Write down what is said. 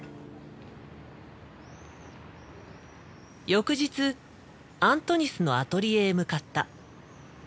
翌日アントニスのアトリエへ向かった。